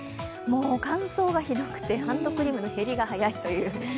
乾燥がひどくて、ハンドクリームの減りが早いという。